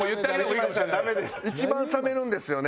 一番冷めるんですよね